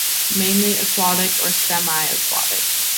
Mainly aquatic or semi-aquatic.